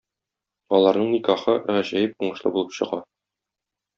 Аларның никахы гаҗәеп уңышлы булып чыга.